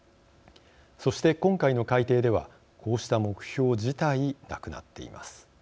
そして今回の改定ではこうした目標自体なくなっています。